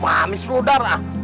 mami seludar ah